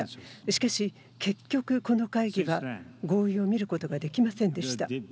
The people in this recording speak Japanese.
しかし、結局この会議が合意を見ることができませんでした。